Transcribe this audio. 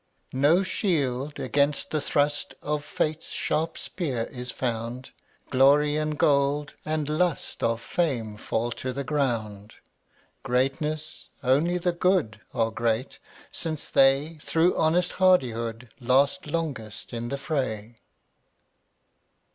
mn$ 105 No shield against the thrust (£)ttt&? Of Fate's sharp spear is found; „ Glory and gold, and lust \J£^ Of fame fall to the ground. Greatness? Only the good Are great, since they, Through honest hardihood, Last longest in the fray.